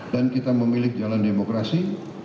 dan kita memilih jalan demokrasi